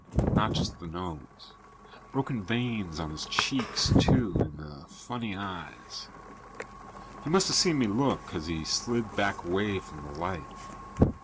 Not just the nose. Broken veins on his cheeks, too, and the funny eyes. He must have seen me look, because he slid back away from the light.